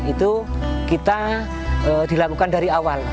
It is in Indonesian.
itu kita dilakukan dari awal